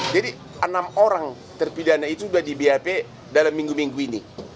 jadi enam orang terpidana itu sudah di bap dalam minggu minggu ini